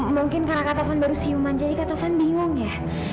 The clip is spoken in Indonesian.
mungkin karena kak tovan baru siuman jadi kak tovan bingung ya